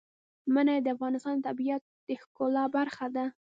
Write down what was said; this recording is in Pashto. منی د افغانستان د طبیعت د ښکلا برخه ده.